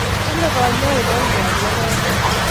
Kale kanyaik okeyam lokoek